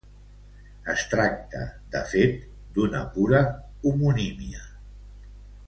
Es tracta de fet d'una pura homonímia.